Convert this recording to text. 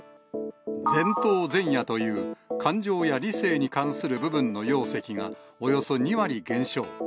前頭前野という感情や理性に関する部分の容積が、およそ２割減少。